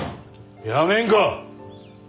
やめんか。